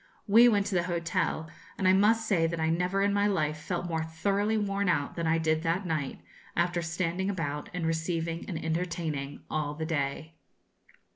We went to the hotel; and I must say that I never in my life felt more thoroughly worn out than I did that night, after standing about and receiving and entertaining all the day.